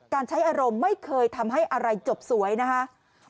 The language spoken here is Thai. ใช้อารมณ์ไม่เคยทำให้อะไรจบสวยนะครับ